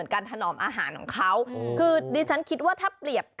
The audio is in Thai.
ก็อยากกินด้วย